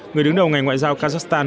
người đứng đầu ngành ngoại giao kazakhstan